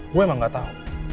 gue emang gak tau